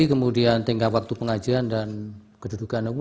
kemudian tinggal waktu pengajian dan kedudukan umum